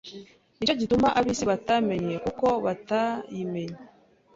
Ni cyo gituma ab’isi batatumenye kuko batayimenye